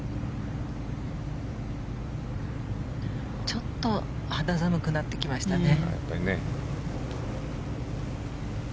ちょっと肌寒くなってきましたね。